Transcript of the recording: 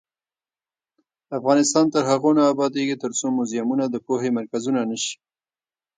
افغانستان تر هغو نه ابادیږي، ترڅو موزیمونه د پوهې مرکزونه نشي.